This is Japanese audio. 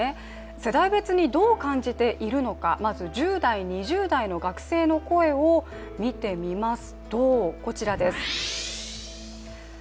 世代別にどう感じているのか、まず１０代、２０代の学生の声を見てみます。